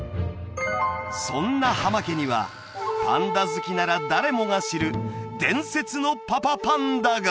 そんな浜家にはパンダ好きなら誰もが知る伝説のパパパンダが！